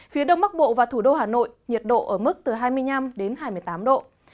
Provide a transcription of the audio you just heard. phía đông bắc bộ và thủ đô hà nội nhiệt độ ở mức từ hai mươi năm đến hai mươi tám độ